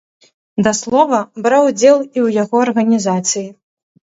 Да слова, браў удзел і ў яго арганізацыі.